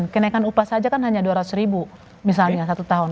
kenaikan upah saja kan hanya dua ratus ribu misalnya satu tahun